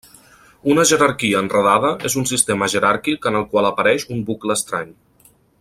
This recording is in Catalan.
Una jerarquia enredada és un sistema jeràrquic en el qual apareix un bucle estrany.